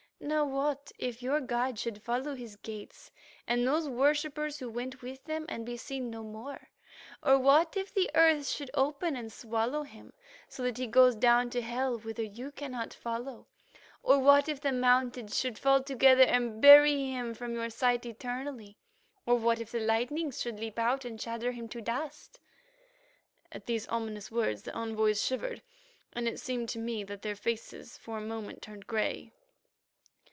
Now what if your god should follow his gates and those worshippers who went with them, and be seen no more? Or what if the earth should open and swallow him, so that he goes down to hell, whither you cannot follow? Or what if the mountains should fall together and bury him from your sight eternally. Or what if the lightnings should leap out and shatter him to dust?" At these ominous words the envoys shivered, and it seemed to me that their faces for a moment turned grey.